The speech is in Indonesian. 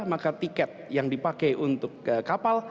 maka tiket yang dipakai untuk kapal